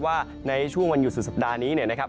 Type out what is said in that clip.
ว่าในช่วงวันหยุดศูนย์สัปดาห์นี้นะครับ